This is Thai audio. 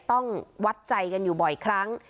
ต้องวัดใจกันอยู่บ่อยครั้ง